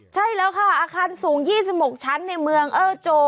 ใช่แล้วค่ะอาคารสูง๒๖ชั้นในเมืองเออร์โจ